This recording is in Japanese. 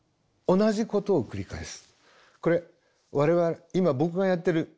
同じことを繰り返す。